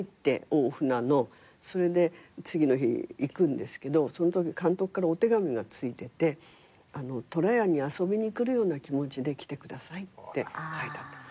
それで次の日行くんですけどそのとき監督からお手紙がついてて「とらやに遊びに来るような気持ちで来てください」って書いてあったの。